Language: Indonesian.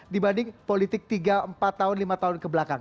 dibanding politik tiga empat tahun lima tahun ke belakang